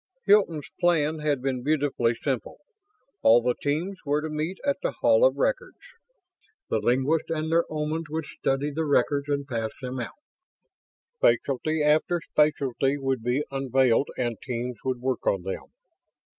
Hilton's plan had been beautifully simple. All the teams were to meet at the Hall of Records. The linguists and their Omans would study the records and pass them out. Specialty after specialty would be unveiled and teams would work on them.